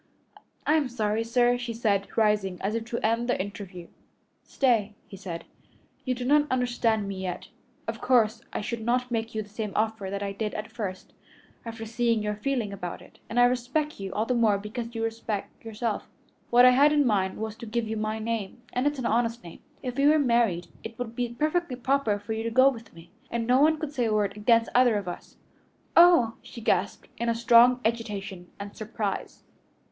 "I am sorry, sir," she said, rising, as if to end the interview. "Stay," he said, "you do not understand me yet. Of course I should not make you the same offer that I did at first, after seeing your feeling about it, and I respect you all the more because you so respect yourself. What I had in mind was to give you my name, and it's an honest name. If we were married it would be perfectly proper for you to go with me, and no one could say a word against either of us." "Oh!" she gasped, in strong agitation and surprise.